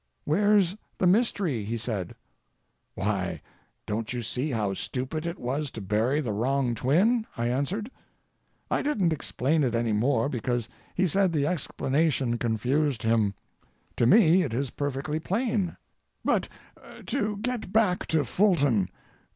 "Where's the mystery?" he said. "Why, don't you see how stupid it was to bury the wrong twin?" I answered. I didn't explain it any more because he said the explanation confused him. To me it is perfectly plain. But, to get back to Fulton.